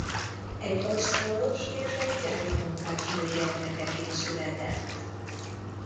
Egy asztalos és egy gyári munkásnő gyermekeként született.